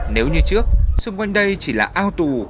nếu như trước xung quanh đây chỉ là ao tù